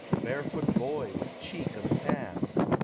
Barefoot boy, with cheek of tan!